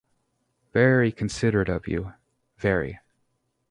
Very considerate of you — very!